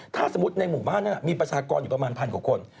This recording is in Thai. ถ้าสมมุติในหมู่บ้านนั้นมีประชากรอยู่ประมาณพันกว่าคน